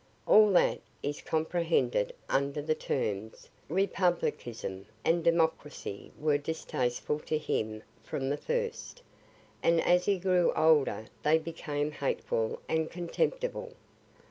All that is comprehended under the terms republicanism and democracy were distasteful to him from the first, and as he grew older they became hateful and contemptible.